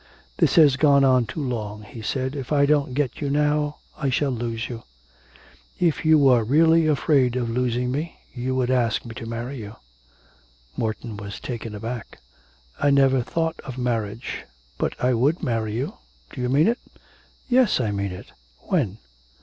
'This has gone on too long,' he said, 'if I don't get you now I shall lose you.' 'If you were really afraid of losing me you would ask me to marry you.' Morton was taken aback. 'I never thought of marriage; but I would marry you. Do you mean it?' 'Yes, I mean it.' 'When?'